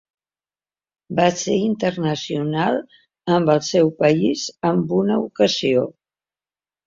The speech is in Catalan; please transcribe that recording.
Va ser internacional amb el seu país en una ocasió.